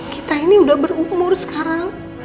kita ini udah berumur sekarang